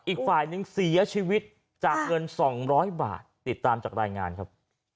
อีกฝ่ายนึงเสียชีวิตจากเงิน๒๐๐บาทติดตามจากรายงานครับ